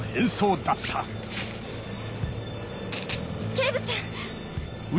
警部さん！